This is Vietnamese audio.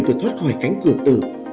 vừa thoát khỏi cánh cửa tử